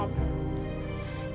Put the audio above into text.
terutama tante sama opel